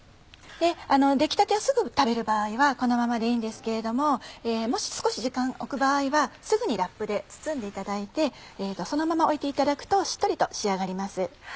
出来たてをすぐ食べる場合はこのままでいいんですけれどももし少し時間を置く場合はすぐにラップで包んでいただいてそのまま置いていただくとしっとりと仕上がります。